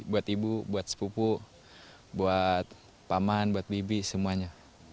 buat ibu buat sepupu buat paman buat bibi semuanya